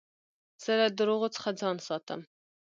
زه له درواغو څخه ځان ساتم.